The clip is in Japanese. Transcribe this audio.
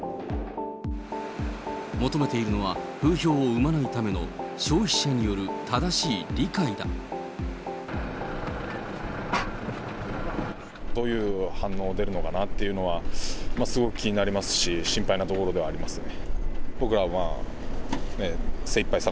求めているのは風評を生まないたどういう反応出るのかなっていうのは、すごく気になりますし、心配なところではありますね。